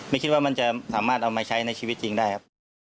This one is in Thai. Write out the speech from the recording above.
ไม่คิดว่ามันจะสามารถเอามาใช้ในชีวิตจริงได้ครับ